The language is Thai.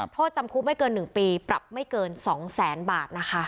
โทษจำคุกไม่เกิน๑ปีปรับไม่เกิน๒แสนบาทนะคะ